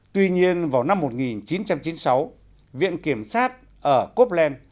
tuy nhiên vào năm một nghìn chín trăm chín mươi sáu viện kiểm sát ở coplen